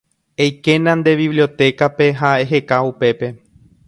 Eikéna nde bibliotecape ha eheka upépe.